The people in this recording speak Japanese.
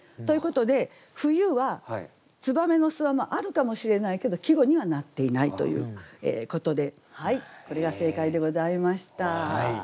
ということで冬は燕の巣はあるかもしれないけど季語にはなっていないということでこれが正解でございました。